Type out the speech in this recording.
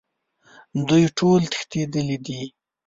دوی ټول تښتیدلي دي